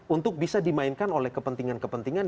untuk bisa dimainkan oleh kepentingan kepentingan